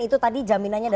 itu tadi jaminan saya itu ya